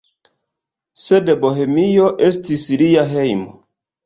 Sed Bohemio estis lia hejmo.